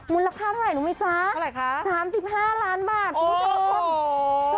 มูลค่าเท่าไหร่หนูมั้ยจ๊ะเท่าไหร่ค่ะ๓๕ล้านบาทคุณผู้ชมโอ้โห